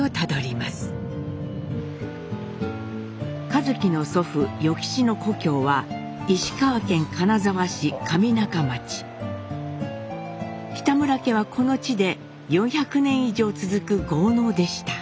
一輝の祖父与吉の故郷は北村家はこの地で４００年以上続く豪農でした。